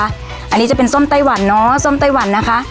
อันนี้จะเป็นส้มไต้หวันเนอะส้มไต้หวันนะคะ